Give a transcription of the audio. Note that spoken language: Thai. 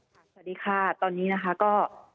สวัสดีค่ะตอนนี้นะคะก็